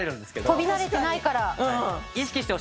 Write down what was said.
跳び慣れてないから。